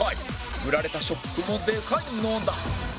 フラれたショックもでかいのだ